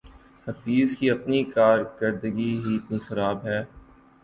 حفیظ کی اپنی کارکردگی ہی اتنی خراب ہے